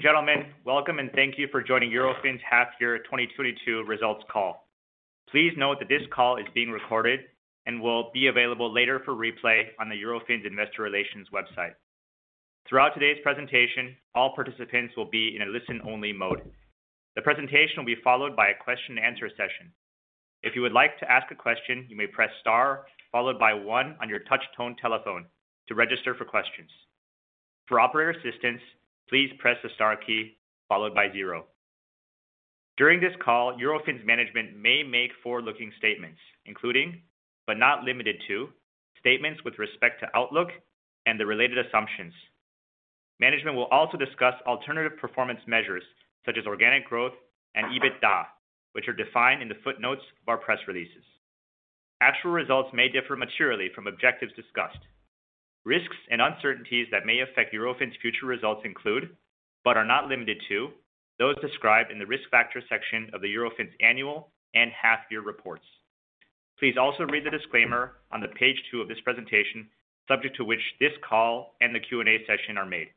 Ladies and gentlemen, welcome and thank you for joining Eurofins' Half-Year 2022 Results Call. Please note that this call is being recorded and will be available later for replay on the Eurofins Investor Relations website. Throughout today's presentation, all participants will be in a listen-only mode. The presentation will be followed by a Q&A session. If you would like to ask a question, you may press star followed by one on your touchtone telephone to register for questions. For operator assistance, please press the star key followed by zero. During this call, Eurofins' management may make forward-looking statements, including, but not limited to, statements with respect to outlook and the related assumptions. Management will also discuss alternative performance measures such as organic growth and EBITDA, which are defined in the footnotes of our press releases. Actual results may differ materially from objectives discussed. Risks and uncertainties that may affect Eurofins' future results include, but are not limited to, those described in the Risk Factors section of the Eurofins Annual and Half-Year Reports. Please also read the disclaimer on the page two of this presentation, subject to which this call and the Q&A session are made.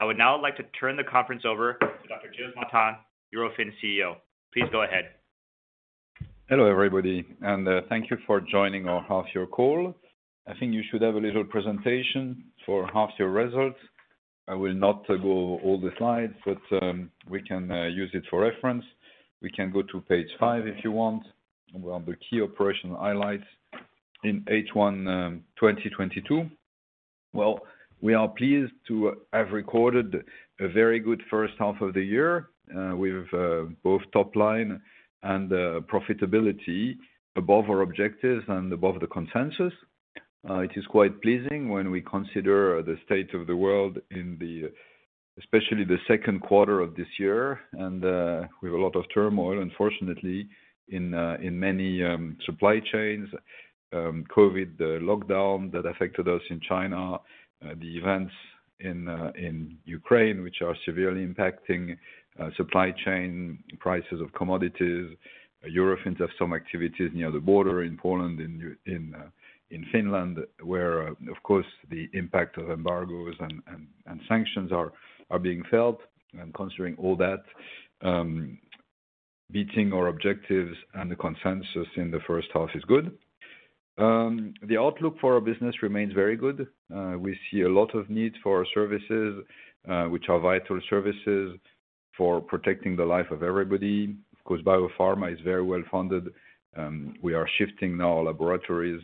I would now like to turn the conference over to Dr. Gilles Martin, Eurofins CEO. Please go ahead. Hello, everybody, and thank you for joining our half-year call. I think you should have a little presentation for half-year results. I will not go all the slides, but we can use it for reference. We can go to page five if you want. We're on the key operational highlights in H1 2022. Well, we are pleased to have recorded a very good first half of the year with both top line and profitability above our objectives and above the consensus. It is quite pleasing when we consider the state of the world, especially the second quarter of this year. We have a lot of turmoil, unfortunately, in many supply chains, COVID lockdown that affected us in China, the events in Ukraine, which are severely impacting supply chain, prices of commodities. Eurofins have some activities near the border in Poland, in Finland, where, of course, the impact of embargoes and sanctions are being felt. Considering all that, beating our objectives and the consensus in the first half is good. The outlook for our business remains very good. We see a lot of need for our services, which are vital services for protecting the life of everybody. Of course, biopharma is very well-funded. We are shifting now laboratories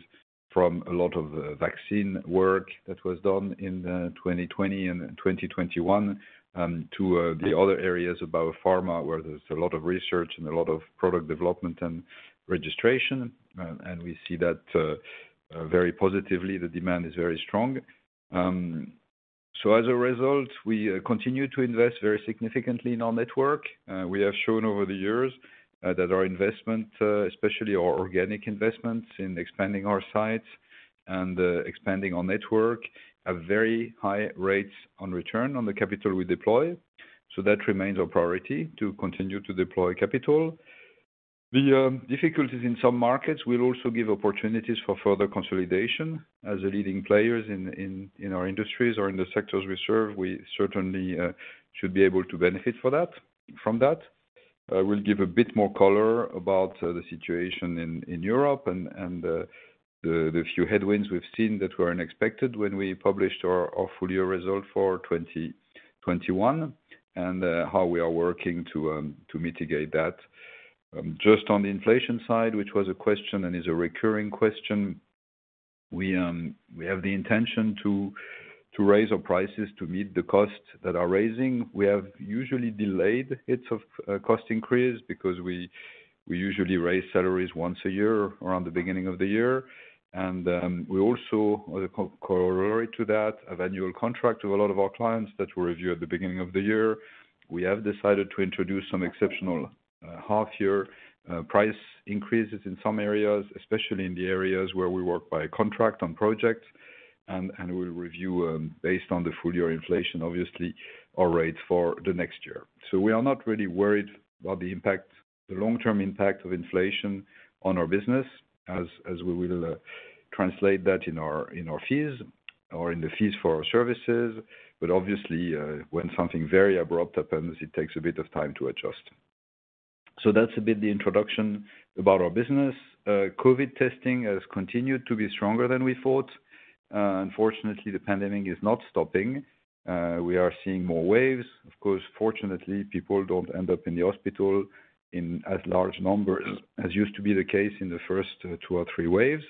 from a lot of vaccine work that was done in 2020 and 2021 to the other areas of biopharma, where there's a lot of research and a lot of product development and registration. We see that very positively. The demand is very strong. We continue to invest very significantly in our network. We have shown over the years that our investment, especially our organic investments in expanding our sites and expanding our network, have very high rates of return on the capital we deploy. That remains our priority to continue to deploy capital. The difficulties in some markets will also give opportunities for further consolidation. As leading players in our industries or in the sectors we serve, we certainly should be able to benefit from that. We'll give a bit more color about the situation in Europe and the few headwinds we've seen that were unexpected when we published our full-year results for 2021 and how we are working to mitigate that. Just on the inflation side, which was a question and is a recurring question, we have the intention to raise our prices to meet the costs that are rising. We have usually delayed effects of cost increase because we usually raise salaries once a year around the beginning of the year. We also, as a corollary to that, have annual contract with a lot of our clients that we review at the beginning of the year. We have decided to introduce some exceptional half-year price increases in some areas, especially in the areas where we work by contract on projects, and we review based on the full-year inflation, obviously, our rates for the next year. We are not really worried about the long-term impact of inflation on our business as we will translate that in our fees or in the fees for our services. Obviously, when something very abrupt happens, it takes a bit of time to adjust. That's a bit the introduction about our business. COVID testing has continued to be stronger than we thought. Unfortunately, the pandemic is not stopping. We are seeing more waves. Of course, fortunately, people don't end up in the hospital in as large numbers as used to be the case in the first two or three waves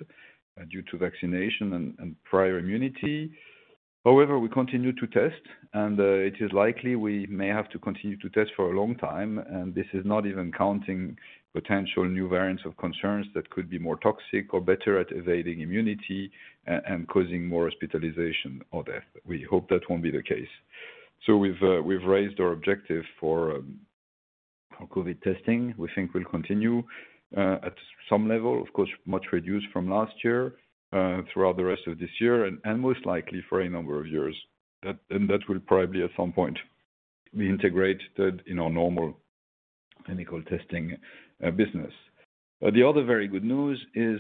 due to vaccination and prior immunity. However, we continue to test, and it is likely we may have to continue to test for a long time. This is not even counting potential new variants of concerns that could be more toxic or better at evading immunity and causing more hospitalization or death. We hope that won't be the case. We've raised our objective for COVID testing. We think we'll continue at some level, of course, much reduced from last year, throughout the rest of this year and most likely for a number of years. That will probably at some point be integrated in our normal medical testing business. The other very good news is,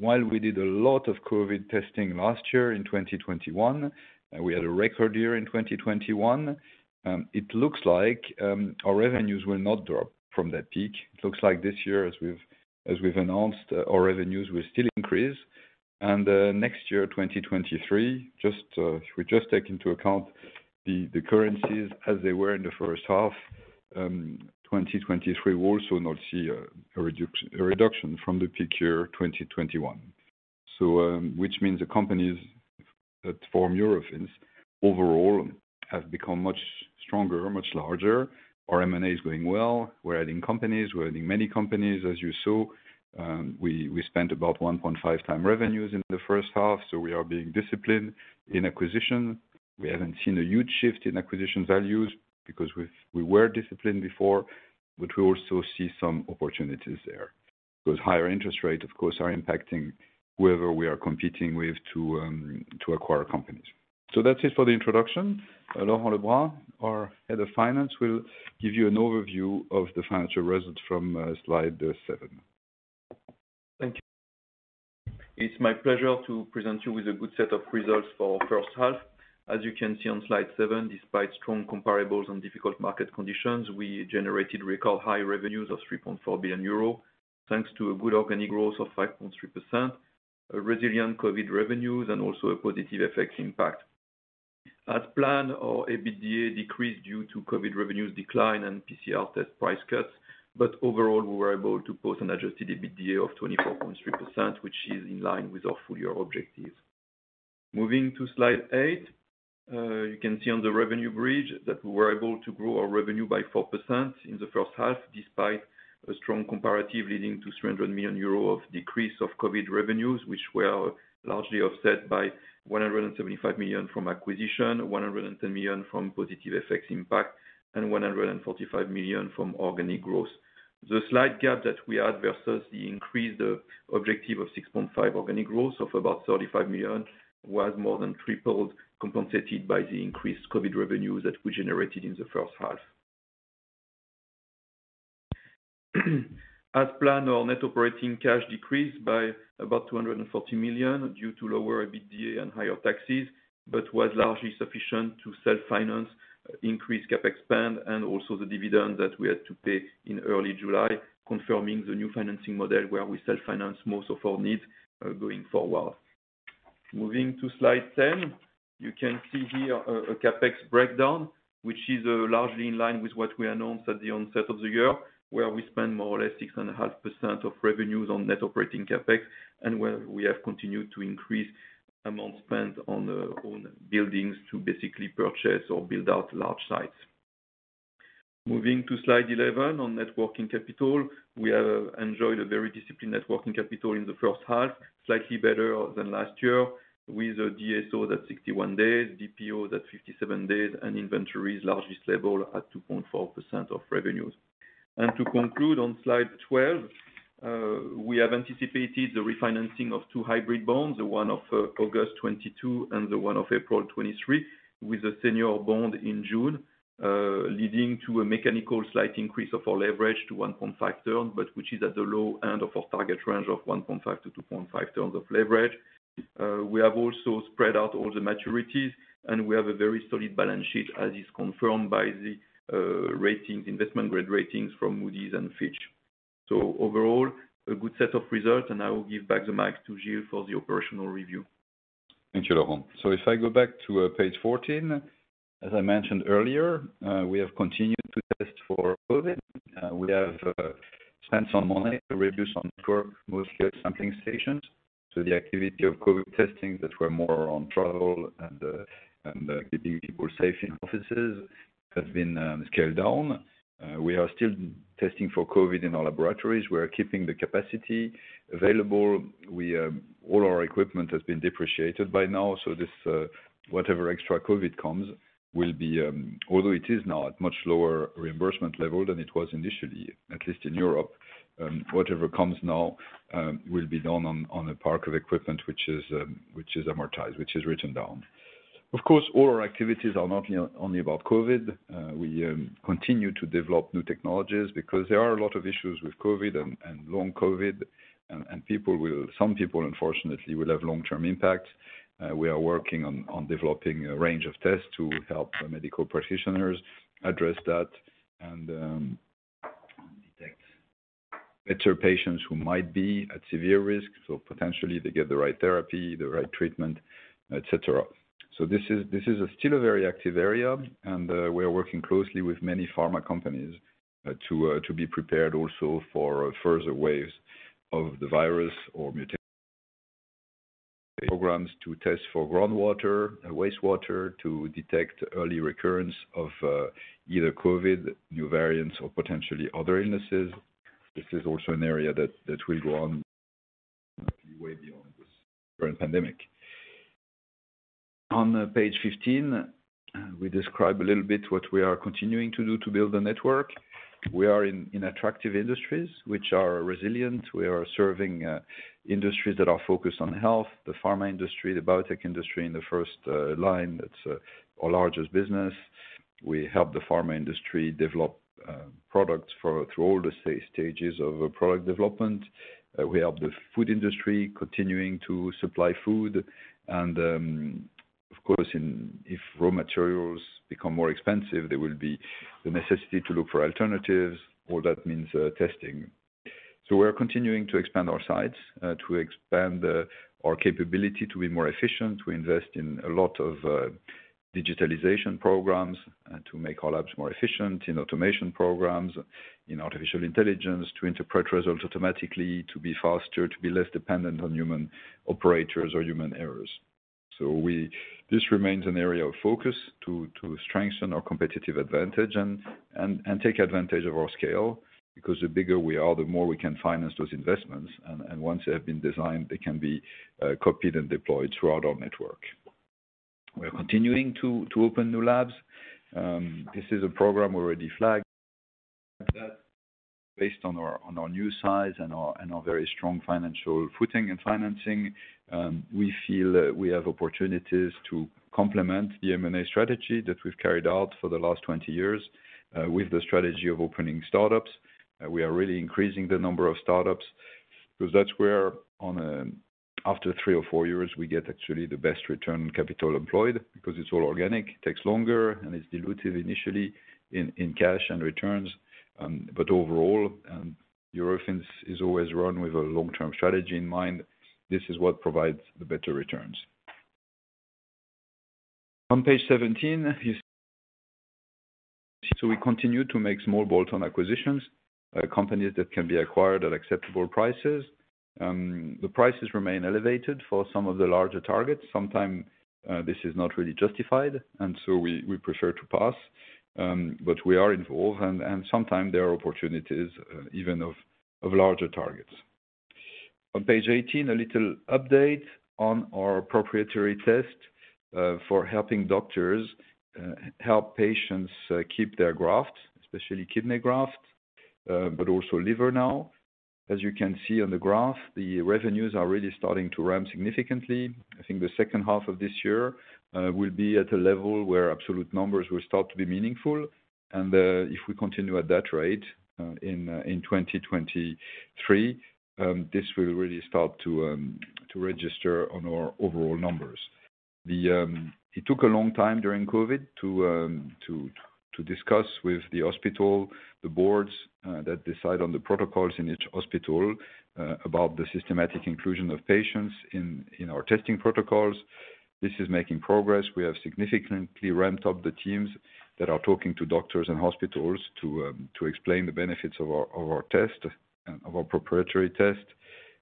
while we did a lot of COVID testing last year in 2021, and we had a record year in 2021, it looks like our revenues will not drop from that peak. It looks like this year, as we've announced, our revenues will still increase. Next year, 2023, just if we just take into account the currencies as they were in the first half, 2023 will also not see a reduction from the peak year, 2021. Which means the companies that form Eurofins overall have become much stronger, much larger. Our M&A is going well. We're adding companies, we're adding many companies. As you saw, we spent about 1.5 times revenues in the first half, so we are being disciplined in acquisition. We haven't seen a huge shift in acquisition values because we were disciplined before, but we also see some opportunities there. Those higher interest rates, of course, are impacting whoever we are competing with to acquire companies. That's it for the introduction. Laurent Le Bras, our Head of Finance, will give you an overview of the financial results from slide seven. Thank you. It's my pleasure to present you with a good set of results for first half. As you can see on slide seven, despite strong comparables and difficult market conditions, we generated record high revenues of 3.4 billion euro, thanks to a good organic growth of 5.3%, a resilient COVID revenues, and also a positive FX impact. As planned, our Adjusted EBITDA decreased due to COVID revenues decline and PCR test price cuts. Overall, we were able to post an Adjusted EBITDA of 24.3%, which is in line with our full year objectives. Moving to slide eight, you can see on the revenue bridge that we were able to grow our revenue by 4% in the first half, despite a strong comparative leading to 300 million euro of decrease of COVID revenues, which were largely offset by 175 million from acquisition, 110 million from positive FX impact, and 145 million from organic growth. The slight gap that we had versus the increased objective of 6.5 organic growth of about 35 million was more than tripled, compensated by the increased COVID revenues that we generated in the first half. As planned, our net operating cash decreased by about 240 million due to lower Adjusted EBITDA and higher taxes, but was largely sufficient to self-finance increased CapEx spend and also the dividend that we had to pay in early July, confirming the new financing model where we self-finance most of our needs, going forward. Moving to slide 10, you can see here a CapEx breakdown, which is largely in line with what we announced at the onset of the year, where we spend more or less 6.5% of revenues on net operating CapEx, and where we have continued to increase amount spent on own buildings to basically purchase or build out large sites. Moving to slide 11 on net working capital, we have enjoyed a very disciplined net working capital in the first half, slightly better than last year with a DSO that's 61 days, DPO that's 57 days, and inventories largely stable at 2.4% of revenues. To conclude on slide 12, we have anticipated the refinancing of two hybrid bonds, the one of August 2022 and the one of April 2023, with a senior bond in June, leading to a mechanical slight increase of our leverage to 1.5x, but which is at the low end of our target range of 1.5x-2.5x of leverage. We have also spread out all the maturities, and we have a very solid balance sheet, as is confirmed by the ratings, investment-grade ratings from Moody's and Fitch. Overall, a good set of results, and I will give back the mic to Gilles for the operational review. Thank you, Laurent. If I go back to page 14, as I mentioned earlier, we have continued to test for COVID. We have spent some money to reduce our core molecular sampling stations. The activity of COVID testing that were more on travel and keeping people safe in offices has been scaled down. We are still testing for COVID in our laboratories. We are keeping the capacity available. All our equipment has been depreciated by now, so this whatever extra COVID comes will be. Although it is now at much lower reimbursement level than it was initially, at least in Europe, whatever comes now will be done on a part of equipment which is amortized, which is written down. Of course, all our activities are not only about COVID. We continue to develop new technologies because there are a lot of issues with COVID and long COVID. Some people, unfortunately, will have long-term impact. We are working on developing a range of tests to help medical practitioners address that and detect better patients who might be at severe risk, so potentially they get the right therapy, the right treatment, etc.. This is still a very active area and we are working closely with many pharma companies to be prepared also for further waves of the virus or mutations. Programs to test for groundwater, wastewater to detect early recurrence of either COVID, new variants or potentially other illnesses. This is also an area that will go on way beyond this current pandemic. On page 15, we describe a little bit what we are continuing to do to build a network. We are in attractive industries which are resilient. We are serving industries that are focused on health, the pharma industry, the biotech industry in the first line. That's our largest business. We help the pharma industry develop products through all the stages of a product development. We help the food industry continuing to supply food and, of course, if raw materials become more expensive, there will be the necessity to look for alternatives. All that means testing. We're continuing to expand our sites to expand our capability to be more efficient. We invest in a lot of digitalization programs to make our labs more efficient in automation programs, in artificial intelligence, to interpret results automatically, to be faster, to be less dependent on human operators or human errors. This remains an area of focus to strengthen our competitive advantage and take advantage of our scale, because the bigger we are, the more we can finance those investments. Once they have been designed, they can be copied and deployed throughout our network. We are continuing to open new labs. This is a program we already flagged. Based on our new size and our very strong financial footing and financing, we feel we have opportunities to complement the M&A strategy that we've carried out for the last 20 years with the strategy of opening startups. We are really increasing the number of startups because that's where, after 3 years or 4 years, we get actually the best return on capital employed because it's all organic, it takes longer, and it's dilutive initially in cash and returns. Overall, Eurofins is always run with a long-term strategy in mind. This is what provides the better returns. On page 17, we continue to make small bolt-on acquisitions, companies that can be acquired at acceptable prices. The prices remain elevated for some of the larger targets. Sometimes this is not really justified, and so we prefer to pass. But we are involved and sometimes there are opportunities even of larger targets. On page 18, a little update on our proprietary test for helping doctors help patients keep their graft, especially kidney graft, but also liver now. As you can see on the graph, the revenues are really starting to ramp significantly. I think the second half of this year will be at a level where absolute numbers will start to be meaningful. If we continue at that rate, in 2023 this will really start to register on our overall numbers. It took a long time during COVID to discuss with the hospital, the boards that decide on the protocols in each hospital about the systematic inclusion of patients in our testing protocols. This is making progress. We have significantly ramped up the teams that are talking to doctors and hospitals to explain the benefits of our test and of our proprietary test,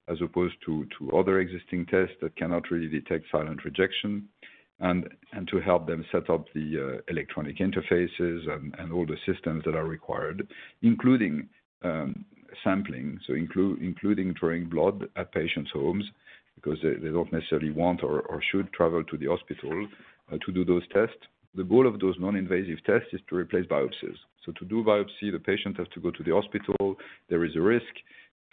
as opposed to other existing tests that cannot really detect silent rejection, and to help them set up the electronic interfaces and all the systems that are required, including sampling, including drawing blood at patients' homes because they don't necessarily want or should travel to the hospital to do those tests. The goal of those non-invasive tests is to replace biopsies. To do biopsy, the patient has to go to the hospital. There is a risk,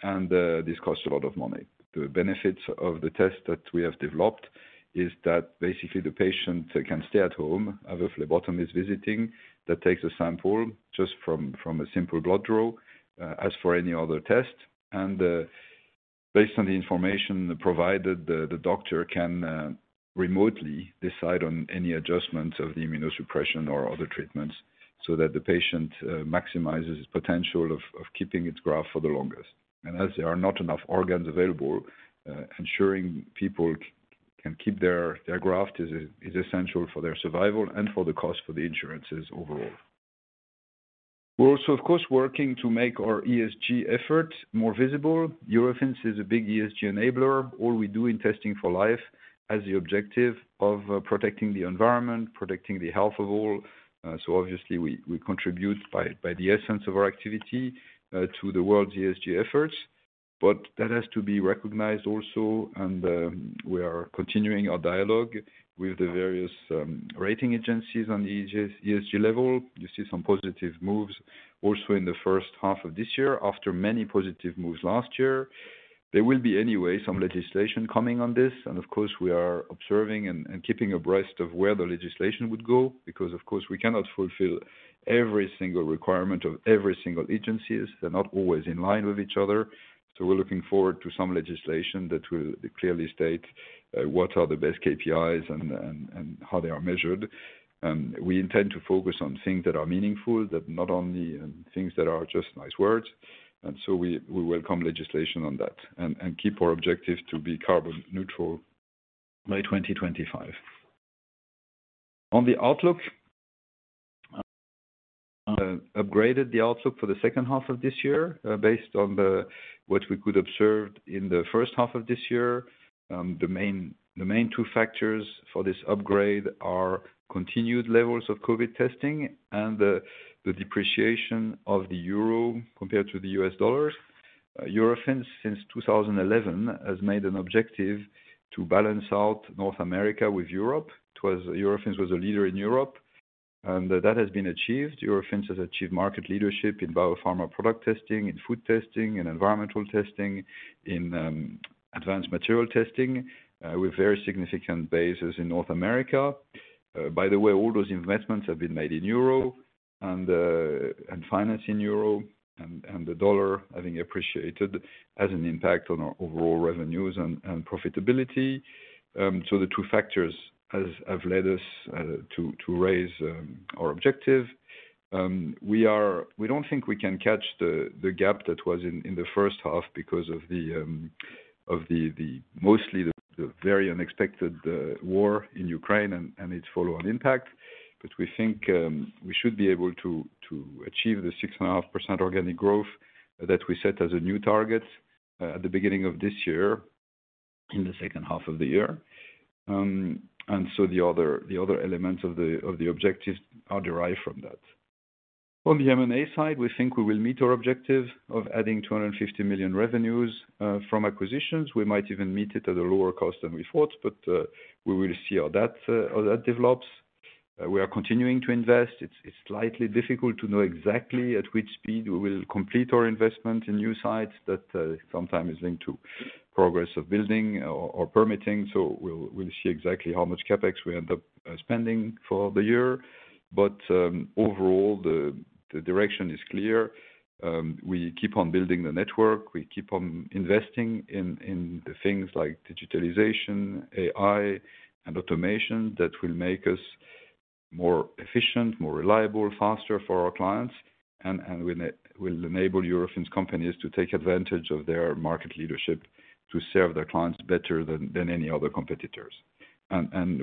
and this costs a lot of money. The benefits of the test that we have developed is that basically the patient can stay at home. A phlebotomist is visiting that takes a sample just from a simple blood draw, as for any other test. Based on the information provided, the doctor can remotely decide on any adjustments of the immunosuppression or other treatments so that the patient maximizes his potential of keeping his graft for the longest. As there are not enough organs available, ensuring people can keep their graft is essential for their survival and for the cost for the insurances overall. We're also, of course, working to make our ESG effort more visible. Eurofins is a big ESG enabler. All we do in testing for life has the objective of protecting the environment, protecting the health of all. So obviously, we contribute by the essence of our activity to the world's ESG efforts. But that has to be recognized also. We are continuing our dialogue with the various rating agencies on the ESG level. You see some positive moves also in the first half of this year after many positive moves last year. There will be anyway some legislation coming on this. Of course, we are observing and keeping abreast of where the legislation would go because of course, we cannot fulfill every single requirement of every single agencies. They're not always in line with each other. We're looking forward to some legislation that will clearly state what are the best KPIs and how they are measured. We intend to focus on things that are meaningful, that not only things that are just nice words. We welcome legislation on that and keep our objective to be carbon neutral by 2025. On the outlook, upgraded the outlook for the second half of this year based on what we could observe in the first half of this year. The main two factors for this upgrade are continued levels of COVID testing and the depreciation of the euro compared to the U.S. dollars. Eurofins, since 2011, has made an objective to balance out North America with Europe. Eurofins was a leader in Europe, and that has been achieved. Eurofins has achieved market leadership in BioPharma Product Testing, in food testing, in environmental testing, in advanced material testing, with very significant bases in North America. By the way, all those investments have been made in euro and financed in euro, and the U.S. dollar having appreciated has an impact on our overall revenues and profitability. The two factors have led us to raise our objective. We don't think we can catch the gap that was in the first half because of the very unexpected war in Ukraine and its follow-on impact. We think we should be able to achieve 6.5% organic growth that we set as a new target at the beginning of this year, in the second half of the year. The other elements of the objectives are derived from that. On the M&A side, we think we will meet our objective of adding 250 million revenues from acquisitions. We might even meet it at a lower cost than we thought, but we will see how that develops. We are continuing to invest. It's slightly difficult to know exactly at which speed we will complete our investment in new sites that sometimes is linked to progress of building or permitting. We'll see exactly how much CapEx we end up spending for the year. Overall the direction is clear. We keep on building the network. We keep on investing in the things like digitalization, AI, and automation that will make us more efficient, more reliable, faster for our clients and will enable Eurofins companies to take advantage of their market leadership to serve their clients better than any other competitors.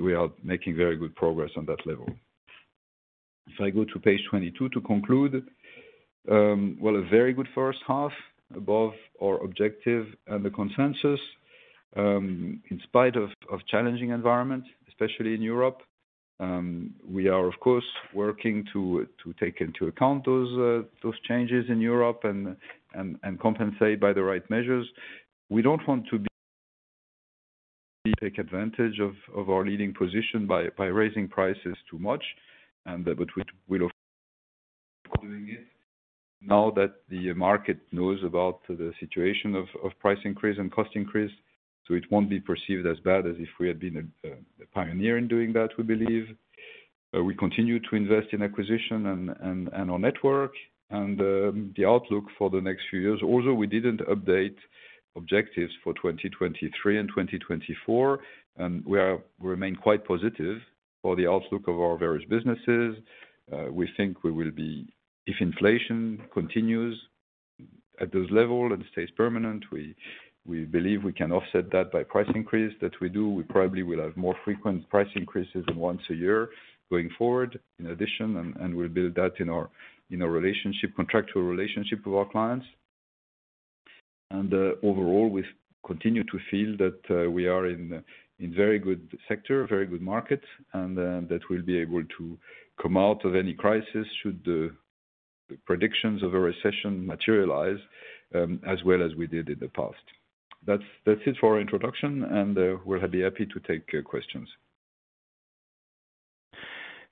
We are making very good progress on that level. If I go to page 22 to conclude. Well, a very good first half above our objective and the consensus, in spite of a challenging environment, especially in Europe. We are of course working to take into account those changes in Europe and compensate by the right measures. We don't want to be taken advantage of our leading position by raising prices too much, but we're doing it now that the market knows about the situation of price increase and cost increase. It won't be perceived as bad as if we had been a pioneer in doing that, we believe. We continue to invest in acquisition and our network. The outlook for the next few years, although we didn't update objectives for 2023 and 2024, we remain quite positive for the outlook of our various businesses. We think if inflation continues at those levels and stays permanent, we believe we can offset that by price increases that we do. We probably will have more frequent price increases than once a year going forward. In addition, we'll build that in our contractual relationship with our clients. Overall, we continue to feel that we are in very good sector, very good market, and that we'll be able to come out of any crisis should the predictions of a recession materialize, as well as we did in the past. That's it for introduction, and we'll be happy to take questions.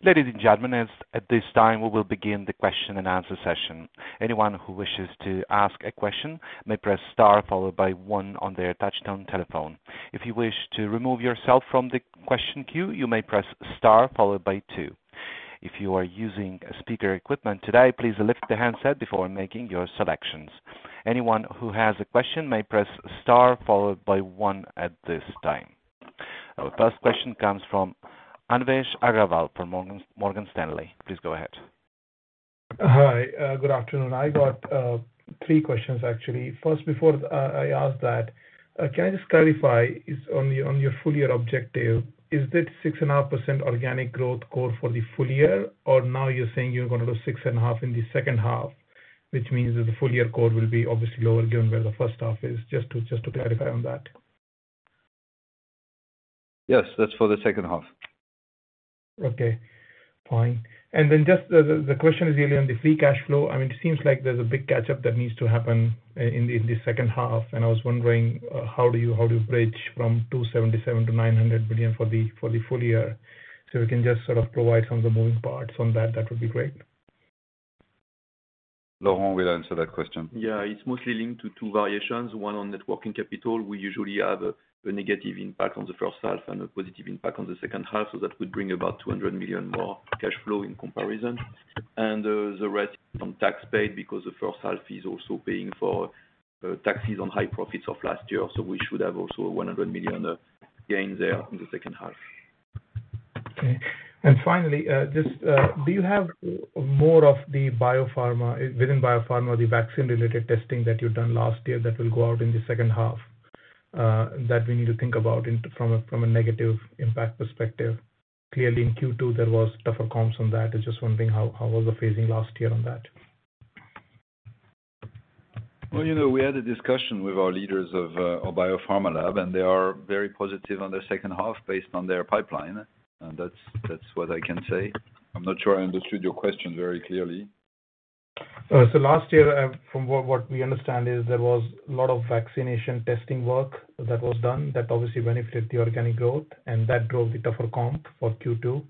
Ladies and gentlemen, at this time, we will begin the Q&A session. Anyone who wishes to ask a question may press star followed by one on their touchtone telephone. If you wish to remove yourself from the question queue, you may press star followed by two. If you are using speaker equipment today, please lift the handset before making your selections. Anyone who has a question may press star followed by one at this time. Our first question comes from Anvesh Agrawal from Morgan Stanley. Please go ahead. Hi. Good afternoon. I got three questions, actually. First, before I ask that, can I just clarify, is on your full year objective, is that 6.5% organic growth core for the full year? Or now you're saying you're gonna do 6.5% in the second half, which means that the full year core will be obviously lower given where the first half is? Just to clarify on that. Yes, that's for the second half. Okay. Fine. Then just the question is really on the free cash flow. I mean, it seems like there's a big catch-up that needs to happen in the second half, and I was wondering how do you bridge from 277 billion to 900 billion for the full year? If you can just sort of provide some of the moving parts on that would be great. Laurent will answer that question. Yeah. It's mostly linked to two variations, one on net working capital. We usually have a negative impact on the first half and a positive impact on the second half, so that would bring about 200 million more cash flow in comparison. The rest from tax paid because the first half is also paying for taxes on high profits of last year. We should have also a 100 million gain there in the second half. Okay. Finally, just, do you have more of the pharma, within pharma, the vaccine-related testing that you've done last year that will go out in the second half, that we need to think about from a negative impact perspective? Clearly, in Q2, there was tougher comps on that. I was just wondering how was the phasing last year on that? Well, you know, we had a discussion with our leaders of our pharma lab, and they are very positive on the second half based on their pipeline, and that's what I can say. I'm not sure I understood your question very clearly. Last year, from what we understand, there was a lot of vaccination testing work that was done that obviously benefited the organic growth, and that drove the tougher comp for Q2.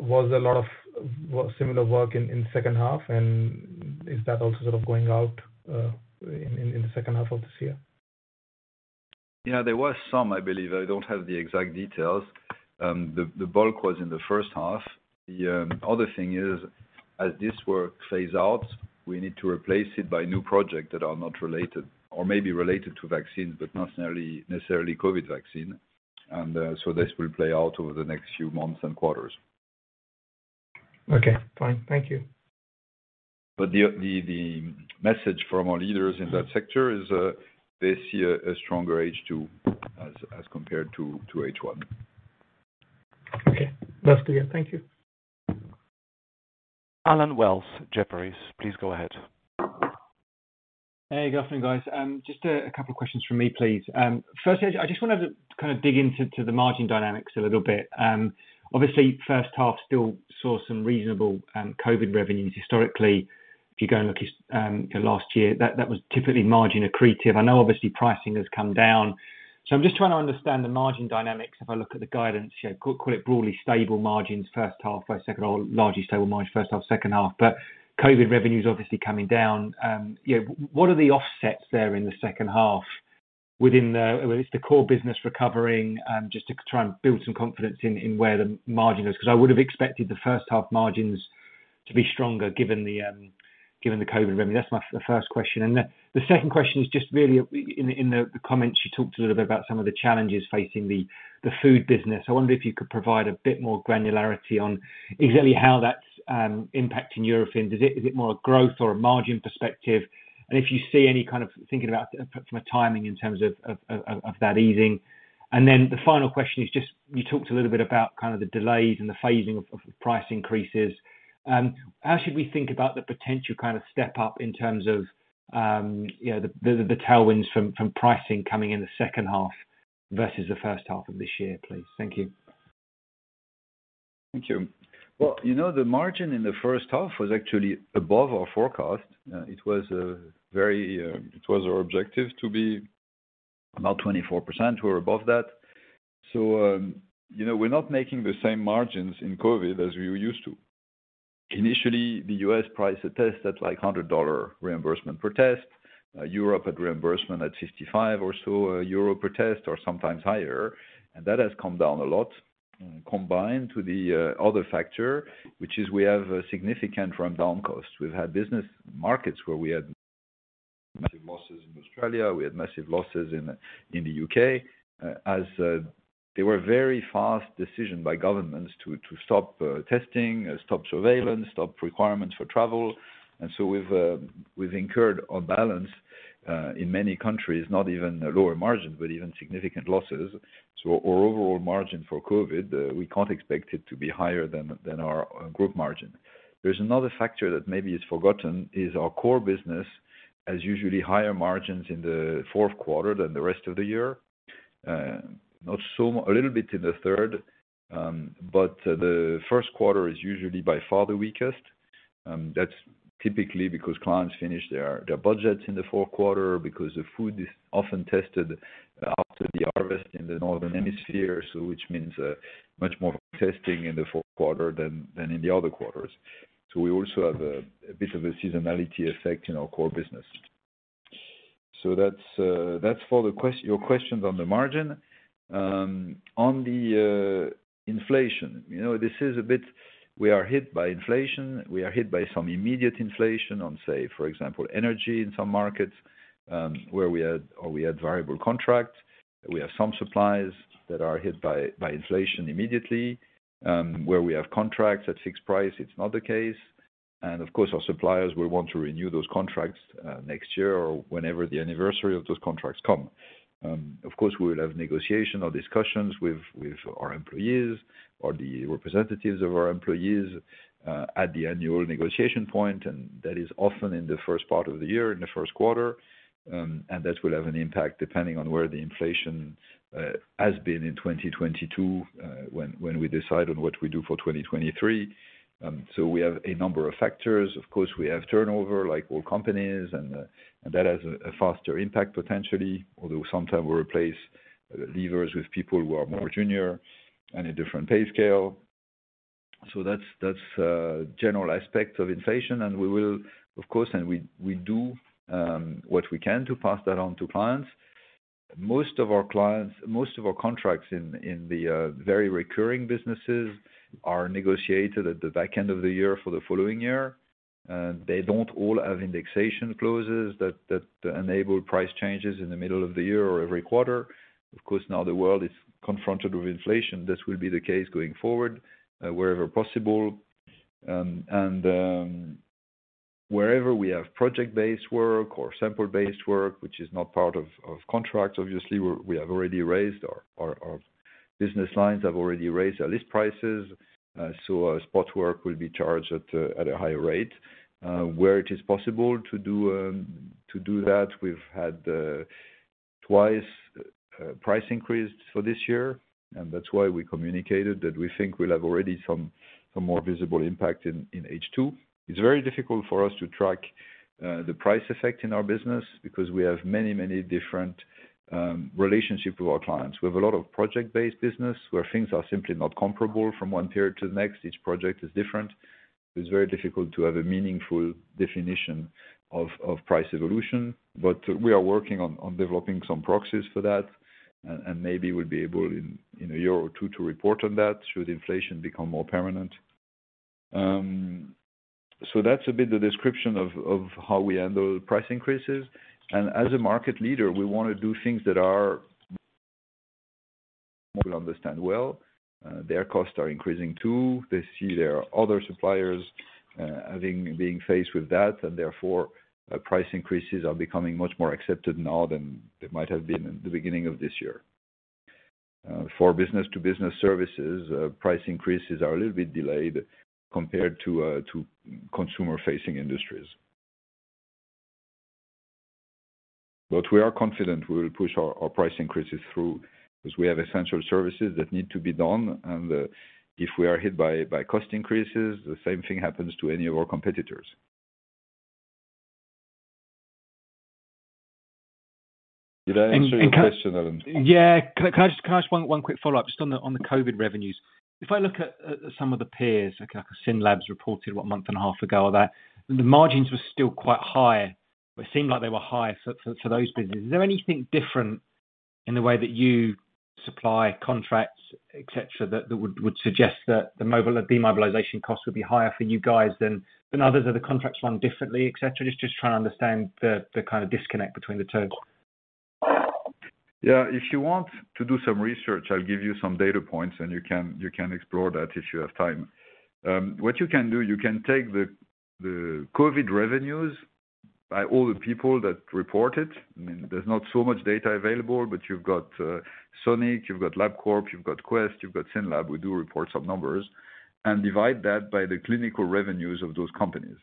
Was a lot of similar work in second half, and is that also sort of going out in the second half of this year? Yeah, there was some, I believe. I don't have the exact details. The bulk was in the first half. The other thing is, as this work phase out, we need to replace it by new project that are not related or maybe related to vaccines, but not necessarily COVID vaccine. This will play out over the next few months and quarters. Okay. Fine. Thank you. The message from our leaders in that sector is they see a stronger H2 as compared to H1. Okay. That's clear. Thank you. Allen Wells, Jefferies, please go ahead. Hey, good afternoon, guys. Just a couple of questions from me, please. First, I just wanna kind of dig into the margin dynamics a little bit. Obviously, first half still saw some reasonable COVID revenues historically. If you go and look at last year, that was typically margin accretive. I know, obviously, pricing has come down. I'm just trying to understand the margin dynamics. If I look at the guidance, call it broadly stable margins first half by second or largely stable margin first half, second half. COVID revenue is obviously coming down. You know, what are the offsets there in the second half within the. Is the core business recovering? Just to try and build some confidence in where the margin is, because I would have expected the first half margins to be stronger given the COVID revenue. That's the first question. The second question is just really, in the comments, you talked a little bit about some of the challenges facing the food business. I wonder if you could provide a bit more granularity on exactly how that's impacting Eurofins. Is it more a growth or a margin perspective? If you see any kind of thinking about from a timing in terms of that easing. The final question is just you talked a little bit about kind of the delays and the phasing of price increases. How should we think about the potential kind of step up in terms of, you know, the tailwinds from pricing coming in the second half versus the first half of this year, please? Thank you. Thank you. Well, you know, the margin in the first half was actually above our forecast. It was our objective to be about 24%. We're above that. You know, we're not making the same margins in COVID as we used to. Initially, the U.S. price per test was like $100 reimbursement per test. Europe had reimbursement at 55 or so per test or sometimes higher, and that has come down a lot, combined with the other factor, which is we have a significant rundown cost. We've had business markets where we had massive losses in Australia, we had massive losses in the UK, as they were very fast decisions by governments to stop testing, stop surveillance, stop requirements for travel. We've incurred a balance in many countries, not even a lower margin, but even significant losses. Our overall margin for COVID, we can't expect it to be higher than our group margin. There's another factor that maybe is forgotten is our core business has usually higher margins in the fourth quarter than the rest of the year. A little bit in the third, but the first quarter is usually by far the weakest. That's typically because clients finish their budgets in the fourth quarter because the food is often tested after the harvest in the northern hemisphere. Which means much more testing in the fourth quarter than in the other quarters. We also have a bit of a seasonality effect in our core business. That's for your questions on the margin. On the inflation. You know, this is a bit, we are hit by inflation. We are hit by some immediate inflation on, say, for example, energy in some markets, where we had variable contracts. We have some suppliers that are hit by inflation immediately. Where we have contracts at fixed price, it's not the case. Of course, our suppliers will want to renew those contracts next year or whenever the anniversary of those contracts come. Of course, we will have negotiation or discussions with our employees or the representatives of our employees at the annual negotiation point, and that is often in the first part of the year, in the first quarter. That will have an impact depending on where the inflation has been in 2022, when we decide on what we do for 2023. We have a number of factors. Of course, we have turnover like all companies, and that has a faster impact potentially. Although sometimes we replace leavers with people who are more junior and a different pay scale. That's a general aspect of inflation. We will of course, and we do, what we can to pass that on to clients. Most of our contracts in the very recurring businesses are negotiated at the back end of the year for the following year. They don't all have indexation clauses that enable price changes in the middle of the year or every quarter. Of course, now the world is confronted with inflation. This will be the case going forward, wherever possible. Wherever we have project-based work or sample-based work, which is not part of contracts, obviously, our business lines have already raised our list prices. Our spot work will be charged at a higher rate. Where it is possible to do that, we've had two price increases for this year, and that's why we communicated that we think we'll have already some more visible impact in H2. It's very difficult for us to track the price effect in our business because we have many different relationships with our clients. We have a lot of project-based business where things are simply not comparable from one period to the next. Each project is different. It's very difficult to have a meaningful definition of price evolution. We are working on developing some proxies for that, and maybe we'll be able in a year or two to report on that should inflation become more permanent. That's a bit the description of how we handle price increases. As a market leader, we wanna do things that our people understand well. Their costs are increasing too. They see their other suppliers, being faced with that, and therefore, price increases are becoming much more accepted now than they might have been in the beginning of this year. For business-to-business services, price increases are a little bit delayed compared to consumer-facing industries. We are confident we will push our price increases through, 'cause we have essential services that need to be done, and if we are hit by cost increases, the same thing happens to any of our competitors. Did I answer your question, Allen? Yeah. Can I ask one quick follow-up, just on the COVID revenues? If I look at some of the peers, okay, like SYNLAB reported about a month and a half ago or so, the margins were still quite high. It seemed like they were high for those businesses. Is there anything different in the way that you supply contracts, et cetera, that would suggest that the mobilization or demobilization costs would be higher for you guys than others? Are the contracts run differently, etc.? Just trying to understand the kind of disconnect between the two. Yeah. If you want to do some research, I'll give you some data points, and you can explore that if you have time. What you can do, you can take the COVID revenues by all the people that report it. I mean, there's not so much data available, but you've got Sonic, you've got Labcorp, you've got Quest, you've got SYNLAB, we do report some numbers, and divide that by the clinical revenues of those companies.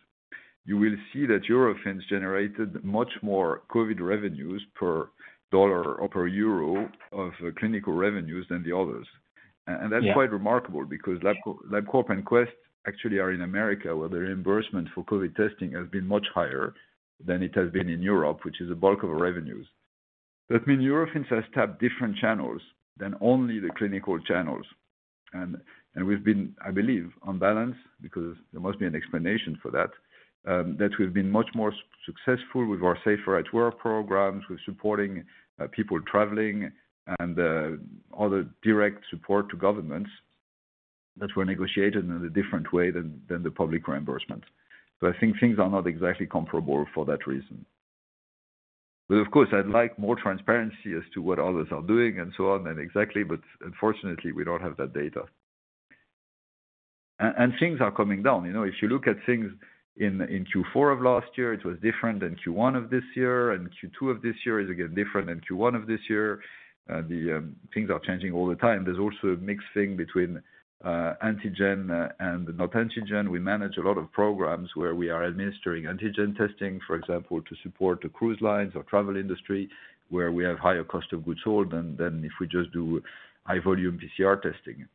You will see that Eurofins generated much more COVID revenues per dollar or per euro of clinical revenues than the others. Yeah. That's quite remarkable because Labcorp and Quest actually are in America, where the reimbursement for COVID testing has been much higher than it has been in Europe, which is the bulk of our revenues. That means Eurofins has tapped different channels than only the clinical channels. We've been, I believe, on balance, because there must be an explanation for that we've been much more successful with our SAFER@WORK programs, with supporting people traveling and other direct support to governments that were negotiated in a different way than the public reimbursement. I think things are not exactly comparable for that reason. Of course, I'd like more transparency as to what others are doing and so on, and exactly, but unfortunately we don't have that data. Things are coming down. You know, if you look at things in Q4 of last year, it was different than Q1 of this year, and Q2 of this year is again different than Q1 of this year. Things are changing all the time. There's also a mixing between antigen and not antigen. We manage a lot of programs where we are administering antigen testing, for example, to support the cruise lines or travel industry, where we have higher cost of goods sold than if we just do high volume PCR testing.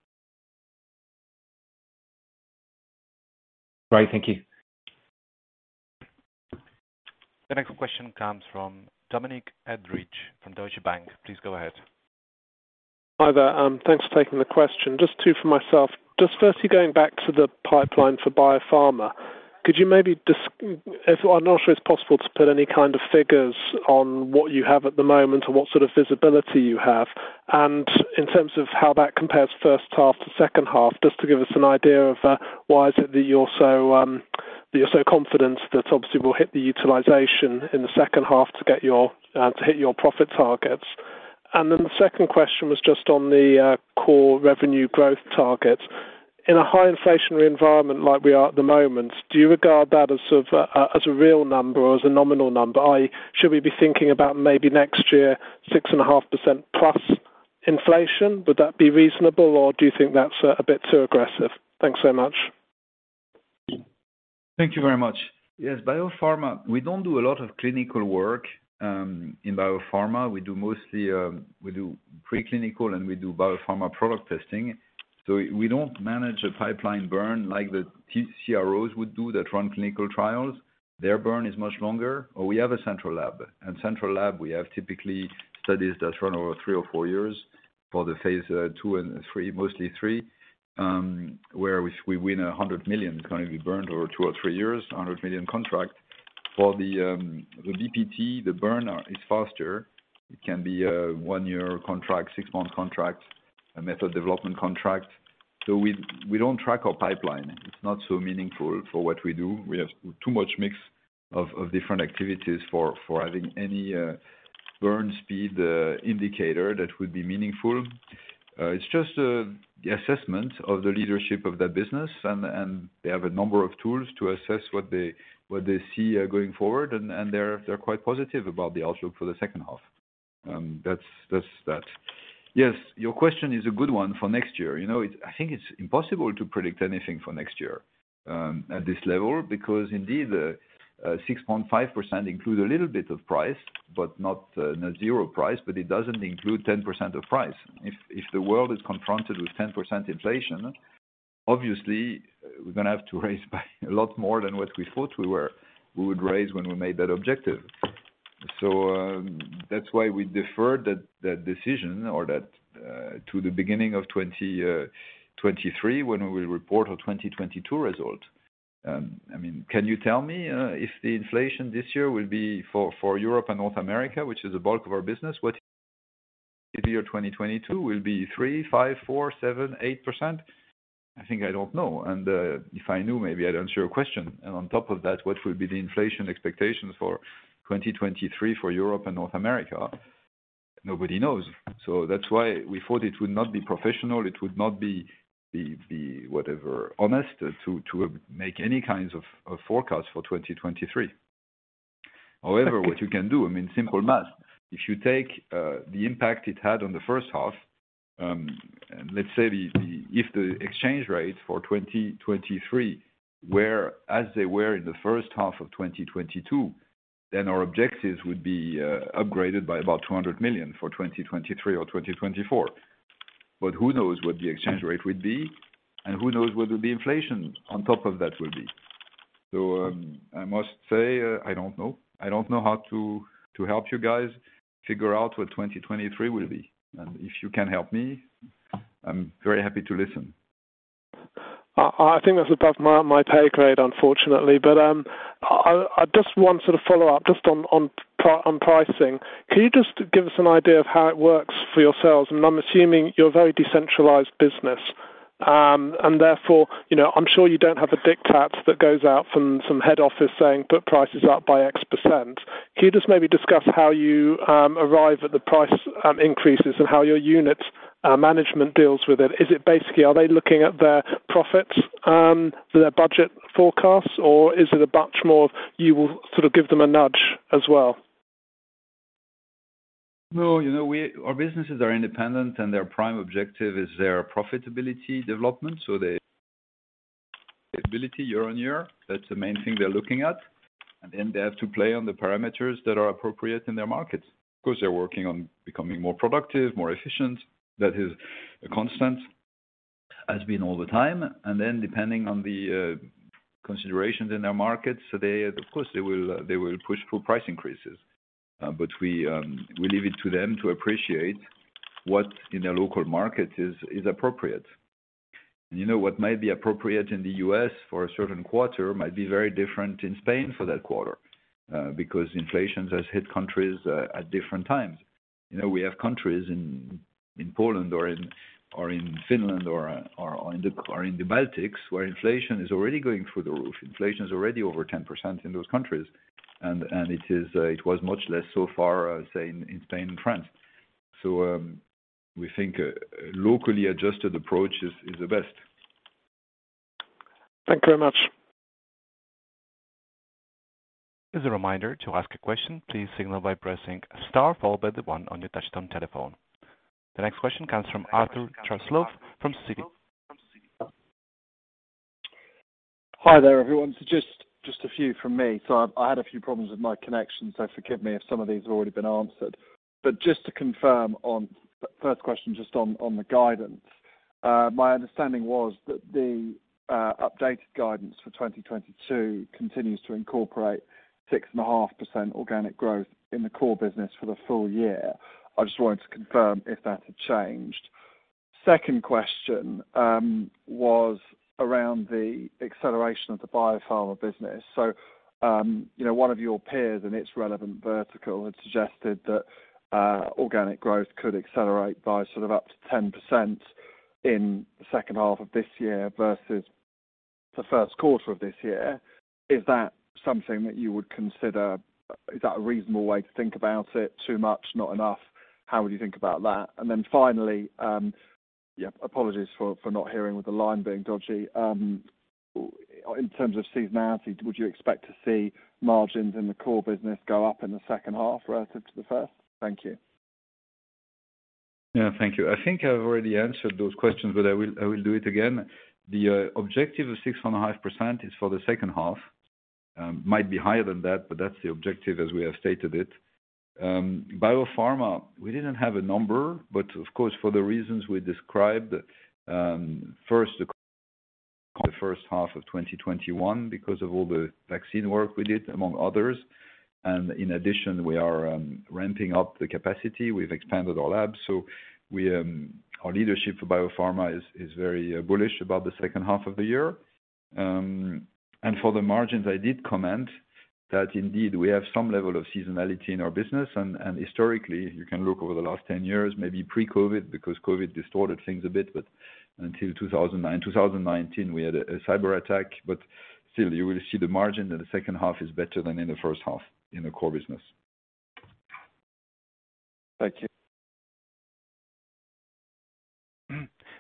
Right. Thank you. The next question comes from Dominic Edridge from Deutsche Bank. Please go ahead. Hi there. Thanks for taking the question. Just two from myself. Just firstly, going back to the pipeline for biopharma, could you maybe, I'm not sure it's possible to put any kind of figures on what you have at the moment or what sort of visibility you have. In terms of how that compares first half to second half, just to give us an idea of why is it that you're so confident that obviously we'll hit the utilization in the second half to hit your profit targets. The second question was just on the core revenue growth target. In a high inflationary environment like we are at the moment, do you regard that as sort of a real number or as a nominal number? i.e., should we be thinking about maybe next year 6.5% plus inflation? Would that be reasonable, or do you think that's a bit too aggressive? Thanks so much. Thank you very much. Yes, biopharma. We don't do a lot of clinical work in biopharma. We do mostly, we do preclinical and we do BioPharma Product Testing. We don't manage a pipeline burn like the CROs would do that run clinical trials. Their burn is much longer. We have a central lab. In central lab, we have typically studies that run over three years or four years for the phase two and three, mostly three, where if we win 100 million, it's gonna be burned over two years or three years, 100 million contract. For the BPT, the burn is faster. It can be a one year contract, six month contract, a method development contract. We don't track our pipeline. It's not so meaningful for what we do. We have too much mix of different activities for having any burn rate indicator that would be meaningful. It's just the assessment of the leadership of that business and they have a number of tools to assess what they see going forward, and they're quite positive about the outlook for the second half. That's that. Yes. Your question is a good one for next year. You know, I think it's impossible to predict anything for next year at this level, because indeed, 6.5% includes a little bit of price, but not zero price, but it doesn't include 10% of price. If the world is confronted with 10% inflation, obviously we're gonna have to raise price a lot more than what we would raise when we made that objective. That's why we deferred that decision or that to the beginning of 2023 when we will report our 2022 result. I mean, can you tell me if the inflation this year will be for Europe and North America, which is the bulk of our business, what 2022 will be 3%, 5%, 4%, 7%, 8%? I think, I don't know. If I knew, maybe I'd answer your question. On top of that, what will be the inflation expectations for 2023 for Europe and North America? Nobody knows. That's why we thought it would not be professional, it would be whatever honest to make any kinds of forecasts for 2023. However, what you can do, I mean, simple math. If you take the impact it had on the first half, let's say. If the exchange rates for 2023 were as they were in the first half of 2022, then our objectives would be upgraded by about 200 million for 2023 or 2024. But who knows what the exchange rate would be, and who knows what the inflation on top of that will be. I must say, I don't know. I don't know how to help you guys figure out what 2023 will be. If you can help me, I'm very happy to listen. I think that's above my pay grade, unfortunately. I just want to sort of follow up just on pricing. Can you just give us an idea of how it works for your sales? I'm assuming you're a very decentralized business, and therefore, you know, I'm sure you don't have a diktat that goes out from head office saying, "Put prices up by X%." Can you just maybe discuss how you arrive at the price increases and how your unit management deals with it? Is it basically are they looking at their profits, their budget forecasts, or is it a much more you will sort of give them a nudge as well? No. You know, our businesses are independent, and their prime objective is their profitability development. The ability year on year, that's the main thing they're looking at. They have to play on the parameters that are appropriate in their markets. Of course, they're working on becoming more productive, more efficient. That is a constant, has been all the time. Depending on the considerations in their markets, they, of course, will push for price increases. But we leave it to them to appreciate what in their local market is appropriate. You know, what might be appropriate in the U.S. for a certain quarter might be very different in Spain for that quarter, because inflation has hit countries at different times. You know, we have countries in Poland or in Finland or in the Baltics, where inflation is already going through the roof. Inflation is already over 10% in those countries. It was much less so far, say, in Spain and France. We think a locally adjusted approach is the best. Thank you very much. As a reminder, to ask a question, please signal by pressing star followed by the one on your touchtone telephone. The next question comes from Arthur Truslove from Citi. Hi there, everyone. Just a few from me. I had a few problems with my connection, so forgive me if some of these have already been answered. Just to confirm on the first question, just on the guidance. My understanding was that the updated guidance for 2022 continues to incorporate 6.5% organic growth in the core business for the full year. I just wanted to confirm if that had changed. Second question was around the acceleration of the biopharma business. You know, one of your peers in its relevant vertical had suggested that organic growth could accelerate by sort of up to 10% in the second half of this year versus the first quarter of this year. Is that something that you would consider? Is that a reasonable way to think about it? Too much? Not enough? How would you think about that? Then finally, yeah, apologies for not hearing with the line being dodgy. In terms of seasonality, would you expect to see margins in the core business go up in the second half relative to the first? Thank you. Yeah. Thank you. I think I've already answered those questions, but I will do it again. The objective of 6.5% is for the second half. Might be higher than that, but that's the objective as we have stated it. Biopharma, we didn't have a number, but of course, for the reasons we described, in the first half of 2021 because of all the vaccine work we did, among others. In addition, we are ramping up the capacity. We've expanded our labs, so our leadership for biopharma is very bullish about the second half of the year. For the margins, I did comment that indeed we have some level of seasonality in our business. Historically, you can look over the last 10 years, maybe pre-COVID, because COVID distorted things a bit. Until 2019, we had a cyberattack. Still, you will see the margin in the second half is better than in the first half in the core business. Thank you.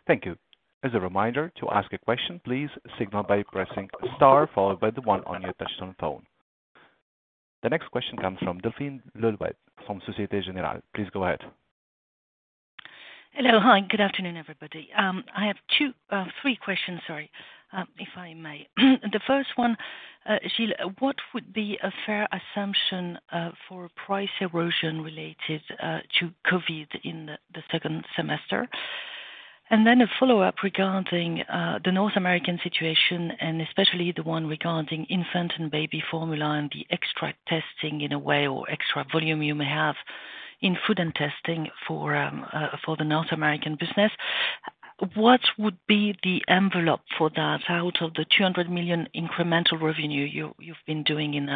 Thank you. As a reminder, to ask a question, please signal by pressing star followed by the one on your touchtone phone. The next question comes from Delphine Le Louet from Société Générale. Please go ahead. Hello. Hi, good afternoon, everybody. I have two, three questions, sorry, if I may. The first one, Gilles, what would be a fair assumption for price erosion related to COVID in the second semester? And then a follow-up regarding the North American situation and especially the one regarding infant and baby formula and the extra testing in a way, or extra volume you may have in food and testing for the North American business. What would be the envelope for that out of the 200 million incremental revenue you've been doing in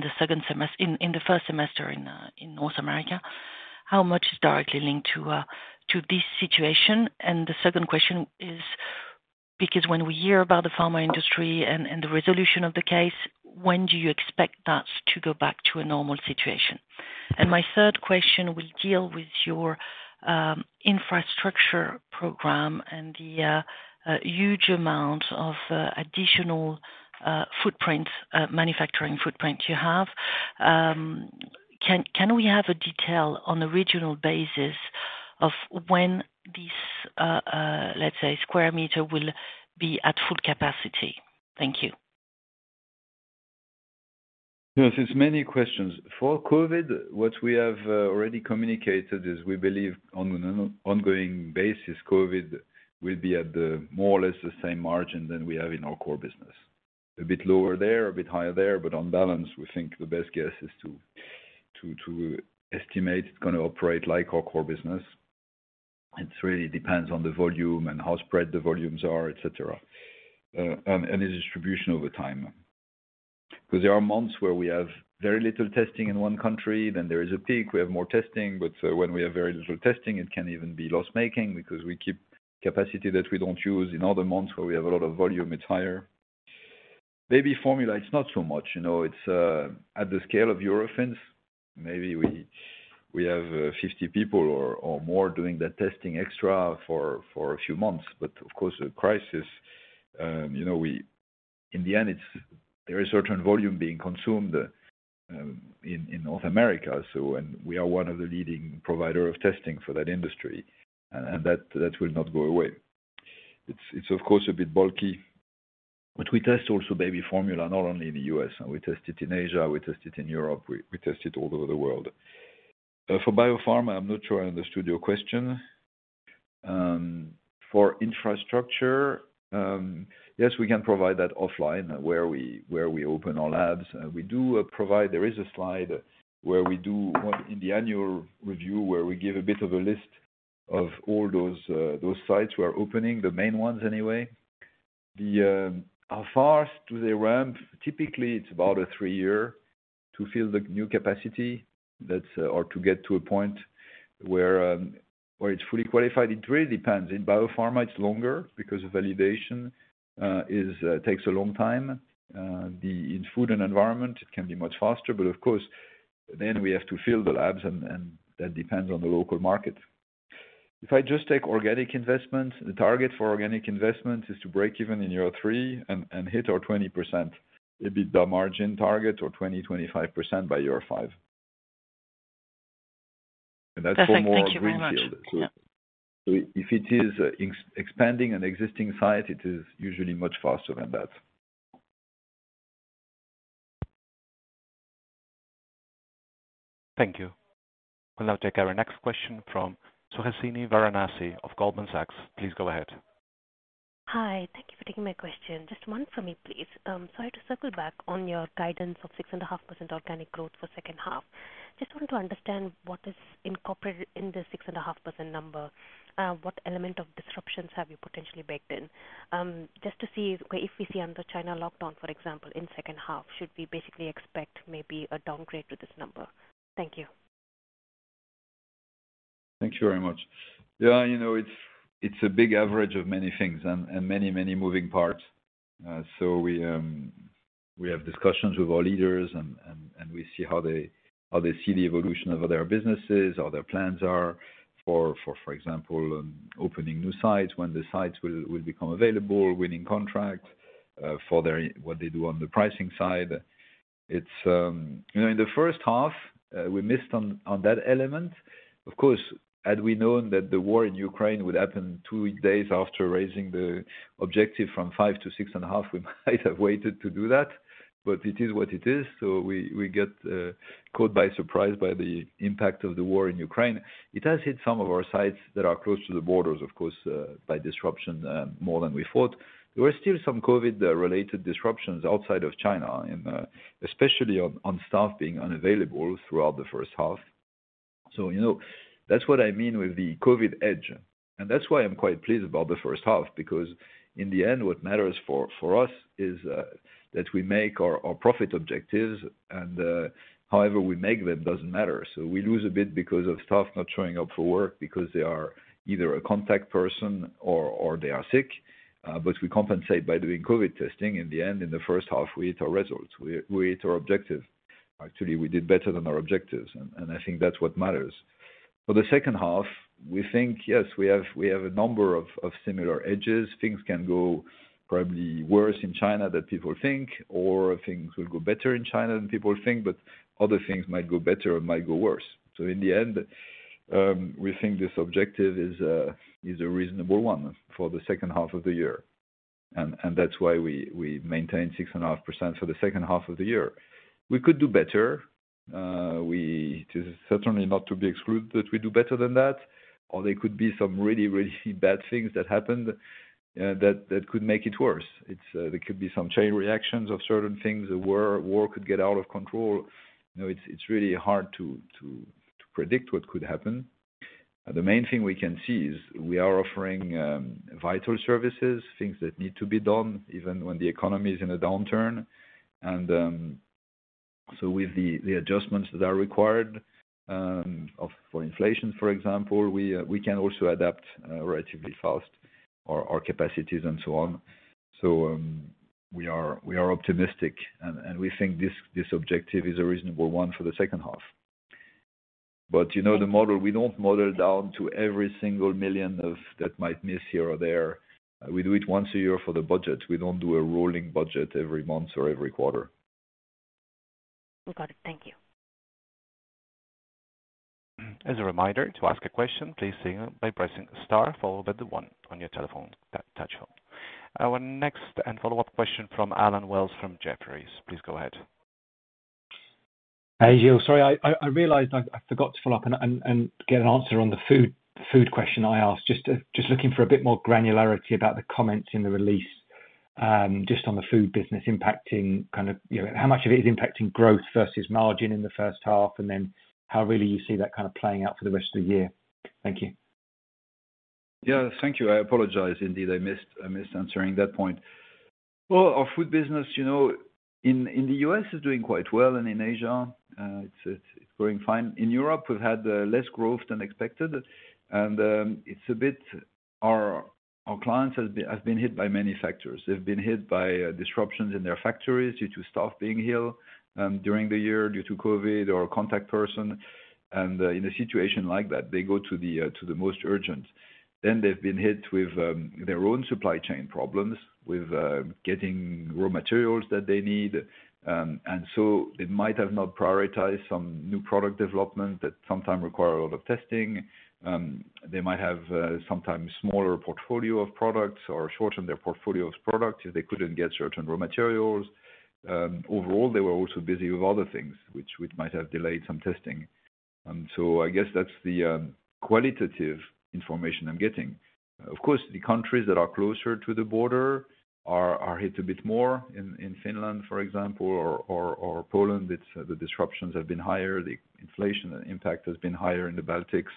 the first semester in North America? How much is directly linked to this situation? The second question is because when we hear about the pharma industry and the resolution of the case, when do you expect that to go back to a normal situation? My third question will deal with your infrastructure program and the huge amount of additional footprints, manufacturing footprint you have. Can we have a detail on a regional basis of when this let's say square meter will be at full capacity? Thank you. Yes. It's many questions. For COVID, what we have already communicated is we believe on an ongoing basis, COVID will be at the more or less the same margin than we have in our core business. A bit lower there, a bit higher there, but on balance, we think the best guess is to estimate it's gonna operate like our core business. It really depends on the volume and how spread the volumes are, etc., and the distribution over time. Because there are months where we have very little testing in one country, then there is a peak, we have more testing, but when we have very little testing, it can even be loss-making because we keep capacity that we don't use. In other months where we have a lot of volume, it's higher. Baby formula, it's not so much. You know, it's at the scale of Eurofins, maybe we have 50 people or more doing that testing extra for a few months. Of course, the crisis, you know, in the end, it's there is certain volume being consumed in North America, so, and we are one of the leading provider of testing for that industry, and that will not go away. It's of course a bit bulky, but we test also baby formula, not only in the U.S. We test it in Asia, we test it in Europe, we test it all over the world. For biopharma, I'm not sure I understood your question. For infrastructure, yes, we can provide that offline where we open our labs. There is a slide in the annual review, where we give a bit of a list of all those sites we are opening, the main ones anyway. Then, how fast do they ramp? Typically, it's about a three year to fill the new capacity or to get to a point where it's fully qualified. It really depends. In biopharma, it's longer because validation takes a long time. In food and environment, it can be much faster. But of course, then we have to fill the labs and that depends on the local market. If I just take organic investments, the target for organic investments is to break even in year three and hit our 20%. It'd be the margin target or 20%-25% by year five. Perfect. Thank you very much. If it is expanding an existing site, it is usually much faster than that. Thank you. We'll now take our next question from Suhasini Varanasi of Goldman Sachs. Please go ahead. Hi. Thank you for taking my question. Just one for me, please. To circle back on your guidance of 6.5% organic growth for second half, just want to understand what is incorporated in the 6.5% number. What element of disruptions have you potentially baked in? Just to see if we see another China lockdown, for example, in second half, should we basically expect maybe a downgrade to this number? Thank you. Thank you very much. Yeah, you know, it's a big average of many things and many moving parts. We have discussions with our leaders and we see how they see the evolution of their businesses, how their plans are. For example, opening new sites, when the sites will become available, winning contracts for what they do on the pricing side. You know, in the first half, we missed on that element. Of course, had we known that the war in Ukraine would happen two days after raising the objective from 5% - 6.5%, we might have waited to do that. It is what it is. We get caught by surprise by the impact of the war in Ukraine. It has hit some of our sites that are close to the borders, of course, by disruption more than we thought. There were still some COVID-related disruptions outside of China, and especially on staff being unavailable throughout the first half. You know, that's what I mean with the COVID edge. That's why I'm quite pleased about the first half, because in the end, what matters for us is that we make our profit objectives and however we make them doesn't matter. We lose a bit because of staff not showing up for work because they are either a contact person or they are sick, but we compensate by doing COVID testing. In the end, in the first half, we hit our results. We hit our objective. Actually, we did better than our objectives, and I think that's what matters. For the second half, we think, yes, we have a number of similar hedges. Things can go probably worse in China than people think or things will go better in China than people think, but other things might go better or might go worse. In the end, we think this objective is a reasonable one for the second half of the year. That's why we maintain 6.5% for the second half of the year. We could do better. It is certainly not to be excluded that we do better than that, or there could be some really bad things that happen that could make it worse. There could be some chain reactions of certain things. The war could get out of control. You know, it's really hard to predict what could happen. The main thing we can see is we are offering vital services, things that need to be done even when the economy is in a downturn. With the adjustments that are required for inflation, for example, we can also adapt relatively fast our capacities and so on. We are optimistic and we think this objective is a reasonable one for the second half. But you know, the model, we don't model down to every single million that might miss here or there. We do it once a year for the budget. We don't do a rolling budget every month or every quarter. We've got it. Thank you. As a reminder, to ask a question, please signal by pressing star followed by the one on your touch-tone phone. Our next and follow-up question from Allen Wells from Jefferies. Please go ahead. Hey, Gilles. Sorry, I realized I forgot to follow up and get an answer on the food question I asked. Just looking for a bit more granularity about the comments in the release, just on the food business impacting kind of, you know, how much of it is impacting growth versus margin in the first half, and then how really you see that kind of playing out for the rest of the year. Thank you. Yeah, thank you. I apologize indeed. I missed answering that point. Well, our food business, you know, in the U.S. is doing quite well, and in Asia, it's growing fine. In Europe, we've had less growth than expected, and it's a bit. Our clients has been hit by many factors. They've been hit by disruptions in their factories due to staff being ill during the year due to COVID or a contact person. In a situation like that, they go to the most urgent. They've been hit with their own supply chain problems with getting raw materials that they need. And so they might have not prioritized some new product development that sometimes require a lot of testing. They might have sometimes smaller portfolio of products or shorten their portfolio of products if they couldn't get certain raw materials. Overall, they were also busy with other things which might have delayed some testing. I guess that's the qualitative information I'm getting. Of course, the countries that are closer to the border are hit a bit more. In Finland, for example, or Poland, the disruptions have been higher. The inflation impact has been higher in the Baltics.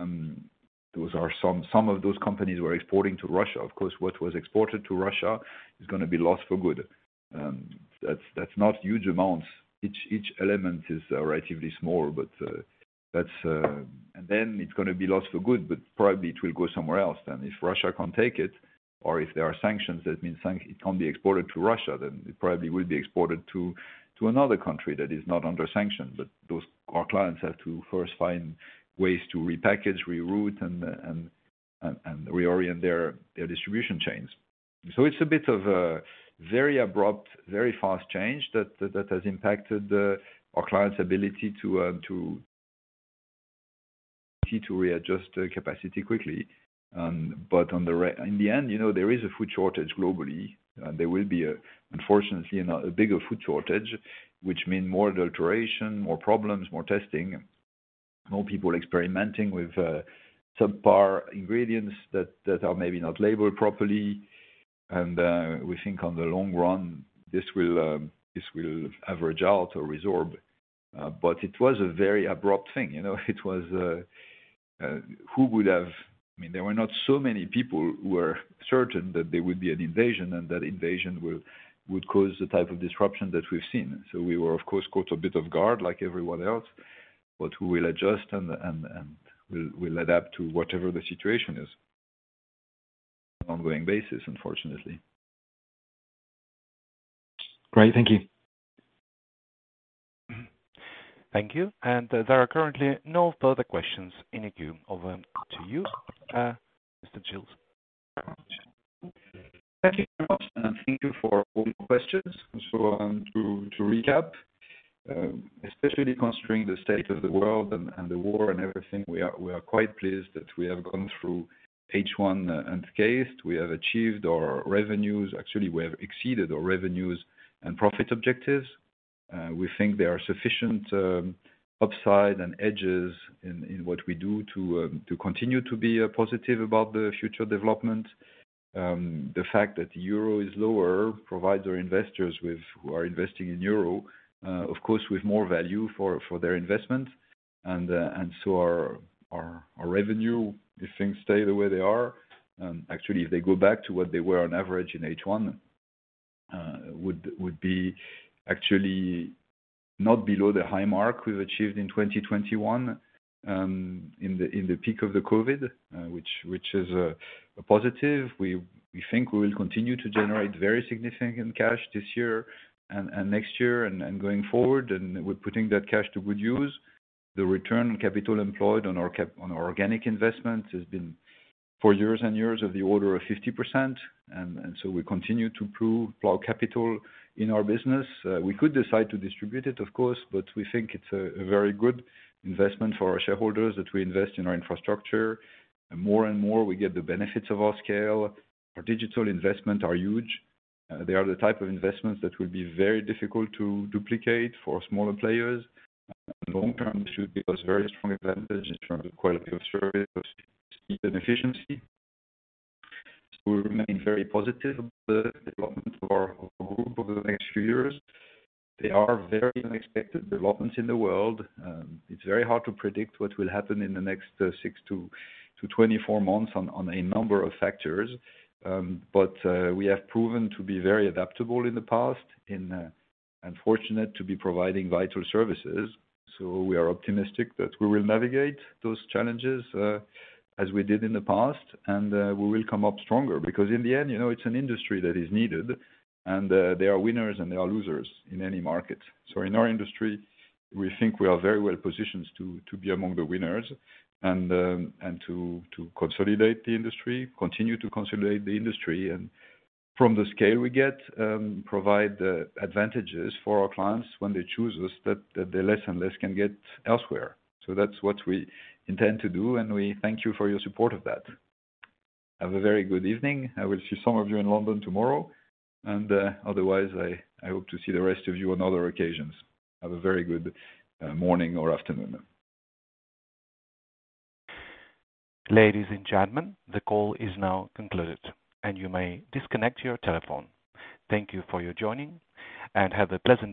Some of those companies were exporting to Russia. Of course, what was exported to Russia is gonna be lost for good. That's not huge amounts. Each element is relatively small, but that's. It's gonna be lost for good, but probably it will go somewhere else. If Russia can't take it, or if there are sanctions, that means it can't be exported to Russia, then it probably will be exported to another country that is not under sanction. Those, our clients have to first find ways to repackage, reroute, and reorient their distribution chains. It's a bit of a very abrupt, very fast change that has impacted our clients' ability to readjust their capacity quickly. In the end, you know, there is a food shortage globally. There will be, unfortunately, a bigger food shortage, which mean more adulteration, more problems, more testing, more people experimenting with subpar ingredients that are maybe not labeled properly. We think on the long run, this will average out or resorb. It was a very abrupt thing, you know? I mean, there were not so many people who were certain that there would be an invasion and that invasion would cause the type of disruption that we've seen. We were, of course, caught a bit off guard like everyone else. We will adjust and we'll adapt to whatever the situation is on an ongoing basis, unfortunately. Great. Thank you. Thank you. There are currently no further questions in the queue. Over to you, Mr. Gilles. Thank you very much. Thank you for all the questions. To recap, especially considering the state of the world and the war and everything, we are quite pleased that we have gone through H1 unscathed. We have achieved our revenues. Actually, we have exceeded our revenues and profit objectives. We think there are sufficient upside and edges in what we do to continue to be positive about the future development. The fact that the euro is lower provides our investors with, who are investing in euro, of course, with more value for their investment. Our revenue, if things stay the way they are, actually, if they go back to what they were on average in H1, would be actually not below the high mark we've achieved in 2021, in the peak of the COVID, which is a positive. We think we will continue to generate very significant cash this year and next year and going forward, and we're putting that cash to good use. The return on capital employed on our organic investment has been for years and years of the order of 50%. We continue to plow capital in our business. We could decide to distribute it, of course, but we think it's a very good investment for our shareholders that we invest in our infrastructure. More and more, we get the benefits of our scale. Our digital investments are huge. They are the type of investments that will be very difficult to duplicate for smaller players. Long term, it should give us very strong advantage in terms of quality of service and efficiency. We remain very positive of the development of our group over the next few years. There are very unexpected developments in the world. It's very hard to predict what will happen in the next 6 months - 24 months on a number of factors. We have proven to be very adaptable in the past and fortunate to be providing vital services. We are optimistic that we will navigate those challenges, as we did in the past, and we will come up stronger. Because in the end, you know, it's an industry that is needed, and there are winners and there are losers in any market. In our industry, we think we are very well positioned to be among the winners and to consolidate the industry, continue to consolidate the industry. From the scale we get, provide advantages for our clients when they choose us that they less and less can get elsewhere. That's what we intend to do, and we thank you for your support of that. Have a very good evening. I will see some of you in London tomorrow. Otherwise, I hope to see the rest of you on other occasions. Have a very good morning or afternoon. Ladies and gentlemen, the call is now concluded and you may disconnect your telephone. Thank you for your joining and have a pleasant day.